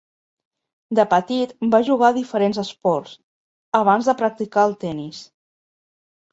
De petit va jugar a diferents esports, abans de practicar el tennis.